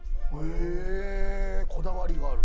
へぇこだわりがある。